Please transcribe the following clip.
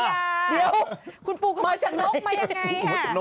เดี๋ยวคุณปูก็มาจากนกมาอย่างไรฮะ